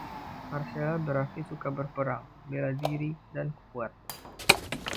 Marcella berarti suka berperang, bela diri, dan kuat.